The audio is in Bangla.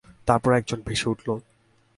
তারপর একজন ভেসে উঠলো।